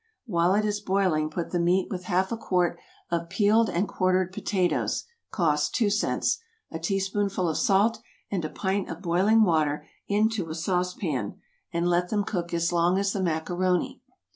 While it is boiling put the meat with half a quart of peeled and quartered potatoes, (cost two cents,) a teaspoonful of salt, and a pint of boiling water into a sauce pan and let them cook as long as the macaroni.